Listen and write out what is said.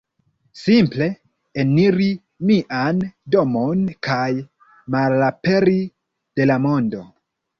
simple eniri mian domon kaj malaperi de la mondo